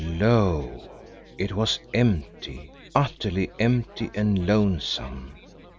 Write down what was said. Lo! it was empty, utterly empty and lonesome.